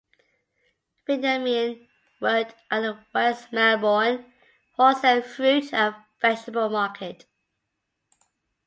Veniamin worked at the West Melbourne wholesale fruit and vegetable market.